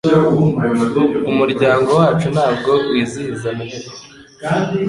Umuryango wacu ntabwo wizihiza Noheri